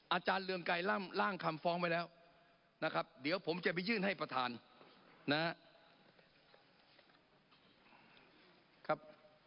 อาจารย์เรืองไกร่ำล่างคำฟ้องไว้แล้วนะครับเดี๋ยวผมจะไปยื่นให้ประธานนะครับ